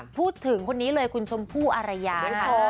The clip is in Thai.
พูดถึงคนนี้เลยคุณชมผู้อรยา